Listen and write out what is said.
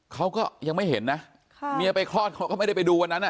เขาก็ยังไม่เห็นนะเมียไปคลอดเขาก็ไม่ได้ไปดูวันนั้นอ่ะ